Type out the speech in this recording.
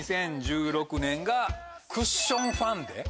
２０１６年がクッションファンデ。